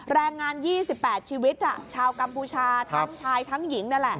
แรงงาน๒๘ชีวิตชาวกัมพูชาทั้งชายทั้งหญิง